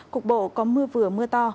cục bộ có mưa vừa mưa to